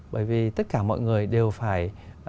bởi vì tất cả mọi người đều phải